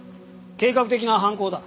計画的な犯行だ。